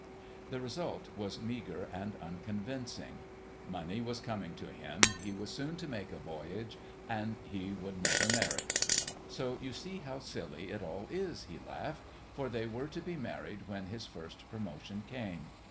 The result was meagre and unconvincing: money was coming to him, he was soon to make a voyage, and he would never marry. "So you see how silly it all is," he laughed, for they were to be married when his first promotion came.